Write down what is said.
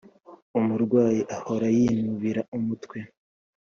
umurwayi ahora yinubira umutwe.